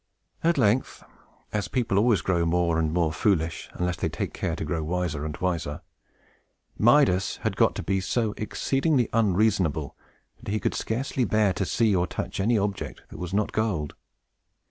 At length (as people always grow more and more foolish, unless they take care to grow wiser and wiser), Midas had got to be so exceedingly unreasonable, that he could scarcely bear to see or touch any object that was not gold.